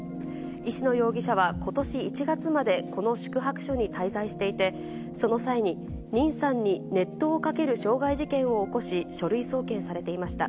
石野容疑者は、ことし１月までこの宿泊所に滞在していて、その際に、ニンさんに熱湯をかける傷害事件を起こし、書類送検されていました。